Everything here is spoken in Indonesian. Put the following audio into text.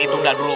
itu enggak dulu